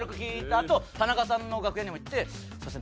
あと田中さんの楽屋にも行って「すいません。